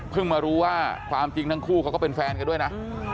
มารู้ว่าความจริงทั้งคู่เขาก็เป็นแฟนกันด้วยนะ